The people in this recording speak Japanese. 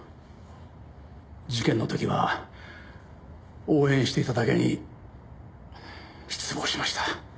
事件の時は応援していただけに失望しました。